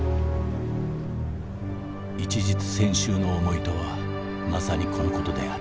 「一日千秋の思いとはまさにこのことである。